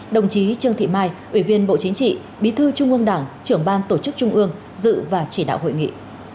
đồng chí trương thị mai ủy viên bộ chính trị bí thư trung ương đảng trưởng ban tổ chức trung ương dự và chỉ đạo hội nghị